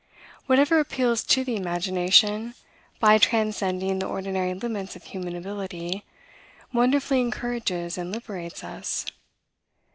Whatever appeals to the imagination, by transcending the ordinary limits of human ability, wonderfully encourages and liberates us.